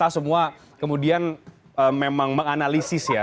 saya ingin menganalisis ya